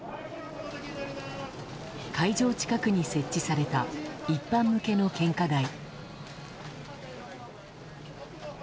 会場近くに設置された一般向けの献花台。